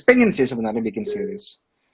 pengen sih sebenarnya bikin series